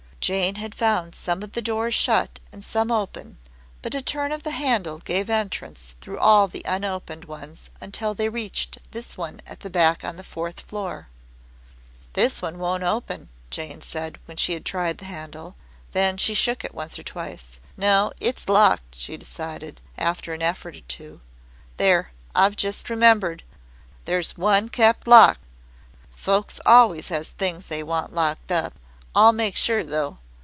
Jane had found some of the doors shut and some open, but a turn of the handle gave entrance through all the unopened ones until they reached this one at the back on the fourth floor. "This one won't open," Jane said, when she tried the handle. Then she shook it once or twice. "No, it's locked," she decided after an effort or two. "There, I've just remembered. There's one kept locked. Folks always has things they want locked up. I'll make sure, though."